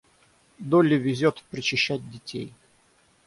Долли везет причащать детей.